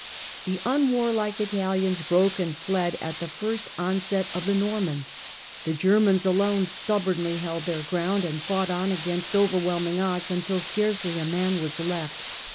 The unwarlike Italians broke and fled at the > first onset of the Normans ; the Germans alone stub bornly held their ground and fought on against over whelming odds until scarcely a man was left.